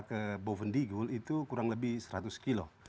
ke boven digul itu kurang lebih seratus km